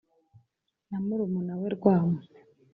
na murumuna we rwamu